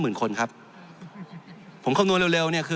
จริงโครงการนี้มันเป็นภาพสะท้อนของรัฐบาลชุดนี้ได้เลยนะครับ